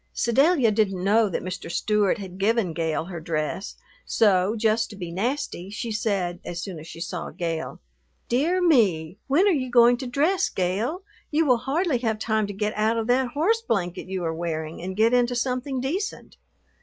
Sedalia didn't know that Mr. Stewart had given Gale her dress, so, just to be nasty, she said, as soon as she saw Gale, "Dear me, when are you going to dress, Gale? You will hardly have time to get out of that horse blanket you are wearing and get into something decent."